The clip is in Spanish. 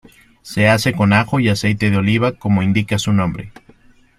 Se hace con ajo y aceite de oliva, como indica su nombre.